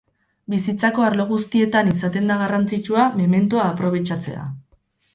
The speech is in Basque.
Bizitzako arlo guztietan izaten da garrantzitsua mementoa aprobetxatzea.